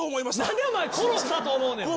何で殺したと思うねん。